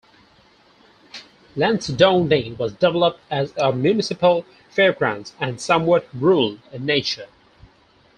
Lansdowne was developed as a municipal fairgrounds, and somewhat rural in nature.